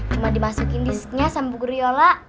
cuma dimasukin disknya sama bu gario algo